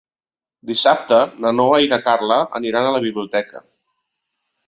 Dissabte na Noa i na Carla aniran a la biblioteca.